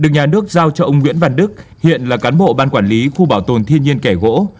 được nhà nước giao cho ông nguyễn văn đức hiện là cán bộ ban quản lý khu bảo tồn thiên nhiên kẻ gỗ